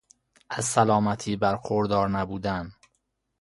از سلامتی برخوردار نبودن